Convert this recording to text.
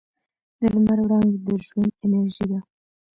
د لمر وړانګې د ژوند انرژي ده.